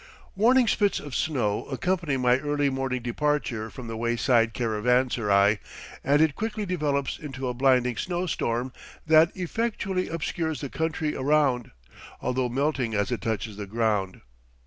Warning spits of snow accompany my early morning departure from the wayside caravanserai, and it quickly develops into a blinding snow storm that effectually obscures the country around, although melting as it touches the ground.